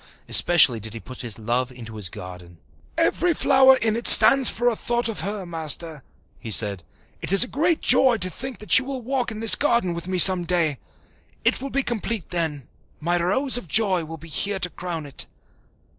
Especially did he put his love into his garden. "Every flower in it stands for a thought of her, Master," he said. "It is a great joy to think that she will walk in this garden with me some day. It will be complete then my Rose of joy will be here to crown it."